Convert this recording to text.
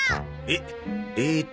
えっ？